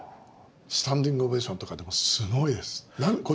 スタンディングオベーションとかでもすごいです。